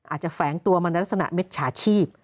แฝงตัวมาในลักษณะเม็ดฉาชีพ